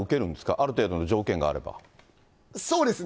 ある程度の条件があれそうですね、